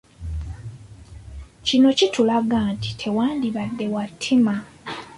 Kino kitulaga nti tewandibadde wa ttima.